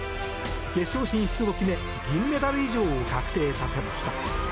決勝進出を決め銀メダル以上を確定させました。